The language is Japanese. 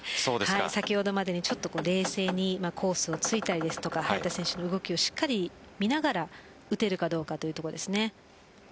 先ほどまでに、ちょっと冷静にコースを突いたり早田選手の動きをしっかり見ながら打てるかというところです。